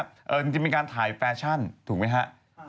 เป็นการถ่ายแฟชั่นถูกมั้ยฮะ